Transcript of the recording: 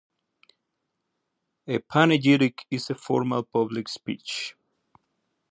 A panegyric is a formal public speech.